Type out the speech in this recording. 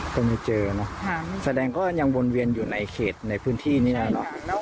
ก็ไม่เจอเนอะแสดงก็ยังวนเวียนอยู่ในเขตในพื้นที่นี่แหละ